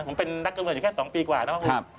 ผมเป็นนักการเมืองอยู่แค่๒ปีกว่านะครับ